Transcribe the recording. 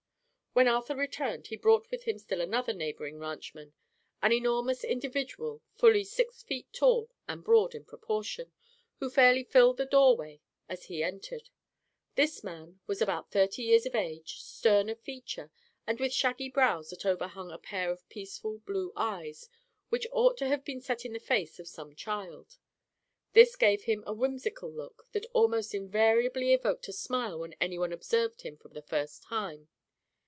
When Arthur returned he brought with him still another neighboring ranchman, an enormous individual fully six feet tall and broad in proportion, who fairly filled the doorway as he entered. This man was about thirty years of age, stern of feature and with shaggy brows that overhung a pair of peaceful blue eyes which ought to have been set in the face of some child. This gave him a whimsical look that almost invariably evoked a smile when anyone observed him for the first time.